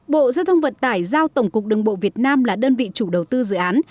bộ giao thông vận tải giao tổng cục đường bộ việt nam là đơn vị chủ đầu tư dự án